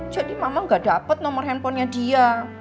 jadi mama gak dapet nomor handphonenya dia